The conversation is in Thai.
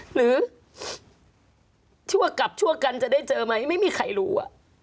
ชั่วกลับชั่วกันจะได้เจอไหมไม่มีใครรู้